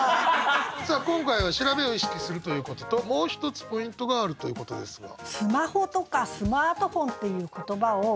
さあ今回は調べを意識するということともう一つポイントがあるということですが。